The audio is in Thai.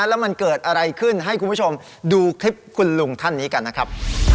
แล้วมันเกิดอะไรขึ้นให้คุณผู้ชมดูคลิปคุณลุงท่านนี้กันนะครับ